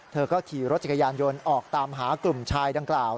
เธอก็ขี่รถจักรยานยนต์ออกตามหากลุ่มชายดังกล่าว